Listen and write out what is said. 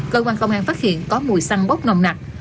cơ quan công an phát hiện có mùi xăng bốc nồng nặt